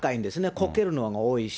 こけるのが多いし。